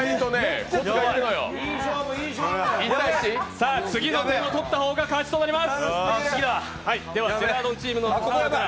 さあ、次の点を取った方が勝ちとなります。